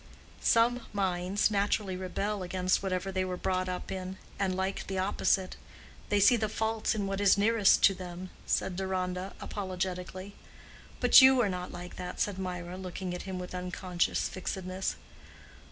"Some minds naturally rebel against whatever they were brought up in, and like the opposite; they see the faults in what is nearest to them," said Deronda apologetically. "But you are not like that," said Mirah, looking at him with unconscious fixedness.